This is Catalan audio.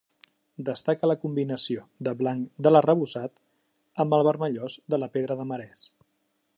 Destaca la combinació del blanc de l'arrebossat amb el vermellós de la pedra de marès.